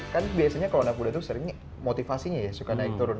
kan biasanya kalau anak muda itu sering motivasinya ya suka naik turun